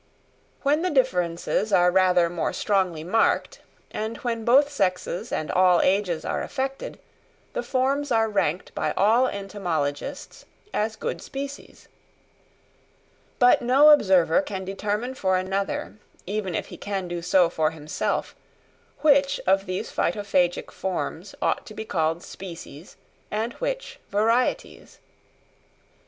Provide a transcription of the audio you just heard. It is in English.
When the differences are rather more strongly marked, and when both sexes and all ages are affected, the forms are ranked by all entomologists as good species. But no observer can determine for another, even if he can do so for himself, which of these Phytophagic forms ought to be called species and which varieties. Mr.